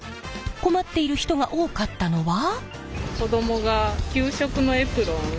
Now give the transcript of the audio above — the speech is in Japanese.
困っている人が多かったのは。